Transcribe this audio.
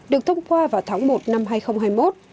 được thông qua vào tháng một năm hai nghìn hai mươi một